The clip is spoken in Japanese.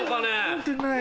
持ってない。